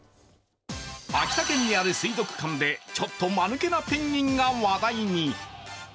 秋田県にある水族館でちょっとまぬけなペンギンが話題に。